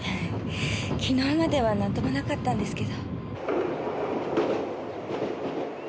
昨日まではなんともなかったんですけど。